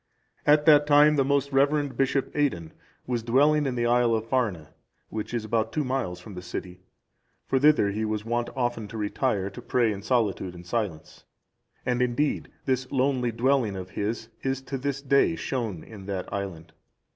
At that time, the most reverend Bishop Aidan was dwelling in the Isle of Farne,(369) which is about two miles from the city; for thither he was wont often to retire to pray in solitude and silence; and, indeed, this lonely dwelling of his is to this day shown in that island.